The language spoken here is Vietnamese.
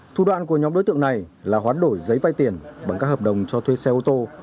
thủ đoạn của nhóm đối tượng này là hoán đổi giấy vai tiền bằng các hợp đồng cho thuê xe ô tô